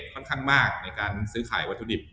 ค่อนข้างมากในการซื้อขายวัตถุดิบ